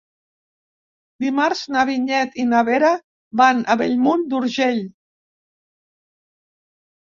Dimarts na Vinyet i na Vera van a Bellmunt d'Urgell.